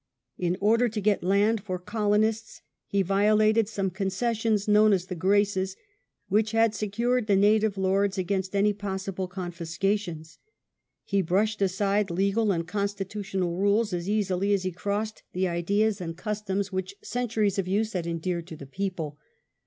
In order to get land for colonists he violated some concessions known as the "Graces", which had secured the native lords against such possible confis cations. He brushed aside legal and constitutional rules as easily as he crossed the ideas and customs which 26 ARCHBISHOP LAUD. centuries of use had endeared to the people.